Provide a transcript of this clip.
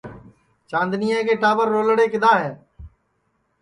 چاندنِیا کے ٹاٻر رولڑے کِدؔا ہے